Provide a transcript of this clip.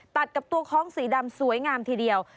กับตัวคล้องสีดำสวยงามทีเดียว